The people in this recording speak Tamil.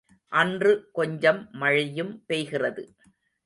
அன்று கொஞ்சம் மழையும் பெய்கிறது.